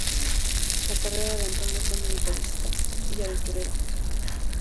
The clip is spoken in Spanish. La carrera de Antonio fue militarista y aventurera.